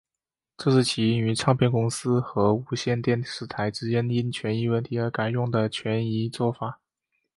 这是起因于唱片公司和无线电视台之间因权益问题而改用的权宜作法。